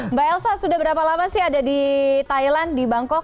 mbak elsa sudah berapa lama sih ada di thailand di bangkok